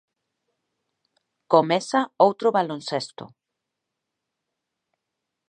Comeza outro baloncesto.